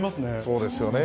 そうですよね。